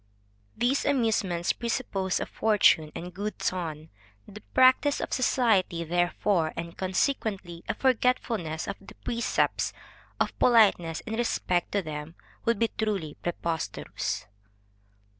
_ These amusements presuppose a fortune, and good ton; the practice of society, therefore, and consequently a forgetfulness of the precepts of politeness in respect to them, would be truly preposterous.